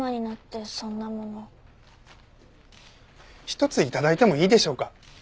一つ頂いてもいいでしょうか？